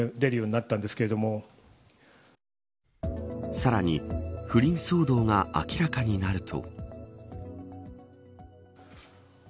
さらに不倫騒動が明らかになると。